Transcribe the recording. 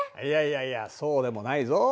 いやいやいやそうでもないぞ。